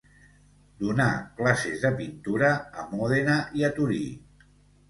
Donà classes de pintura a Mòdena i a Torí.